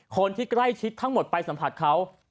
คนที่ใกล้ชิดทั้งหมดไปสัมผัสเขา